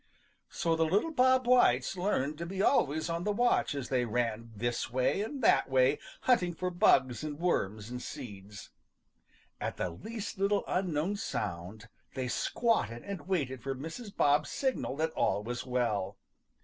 So the little Bob Whites learned to be always on the watch as they ran this way and that way, hunting for bugs and worms and seeds. At the least little unknown sound they squatted and waited for Mrs. Bob's signal that all was well.